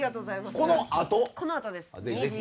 このあとです。